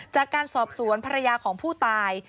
จากการสอบสวนภรรยาของผู้ตาย